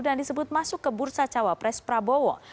dan disebut masuk ke bursa cawapres prabowo